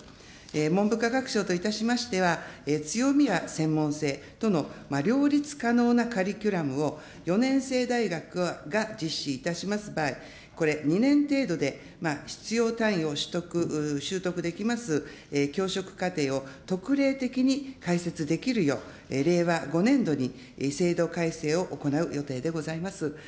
文部科学省といたしましては、強みや専門性との両立可能なカリキュラムを４年制大学が実施いたします場合、これ、２年程度で必要単位を修得できます教職課程を特例的に開設できるよう、令和５年度に制度改正を行う予定でございます。